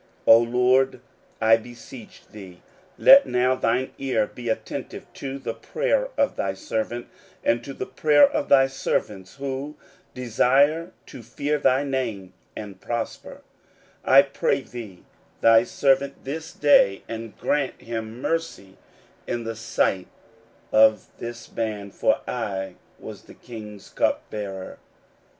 16:001:011 O LORD, I beseech thee, let now thine ear be attentive to the prayer of thy servant, and to the prayer of thy servants, who desire to fear thy name: and prosper, I pray thee, thy servant this day, and grant him mercy in the sight of this man. For I was the king's cupbearer.